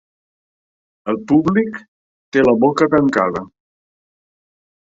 El públic té la boca tancada.